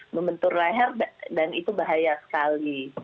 membentur leher dan itu bahaya sekali